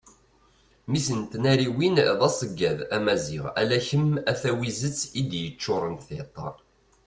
mmi-s n tnariwin d aseggad amaziɣ ala kem a tawizet i d-yeččuren tiṭ